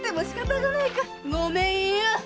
ごめんよ！